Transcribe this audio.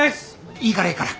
いいからいいから。